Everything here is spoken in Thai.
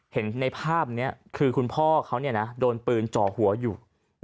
เห็นในภาพนี้คือคุณพ่อเขาโดนปืนจ่อหัวอยู่